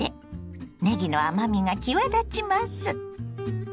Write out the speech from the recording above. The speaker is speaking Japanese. ねぎの甘みが際立ちます。